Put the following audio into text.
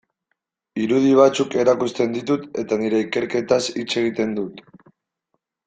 Irudi batzuk erakusten ditut eta nire ikerketaz hitz egiten dut.